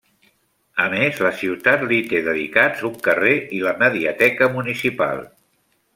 A més la ciutat li té dedicats un carrer i la mediateca municipal.